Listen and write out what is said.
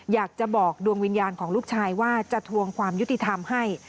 อยากจะบอกดวงวิญญาณของลูกชายว่าจะทวงความยุติธรรมให้